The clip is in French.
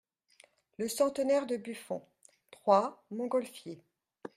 LE CENTENAIRE DE BUFFON, Troyes, Montgolfier.